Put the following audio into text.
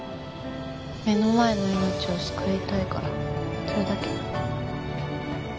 目の前の命を救いたいからそれだけ。